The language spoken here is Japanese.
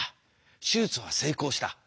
手術は成功した。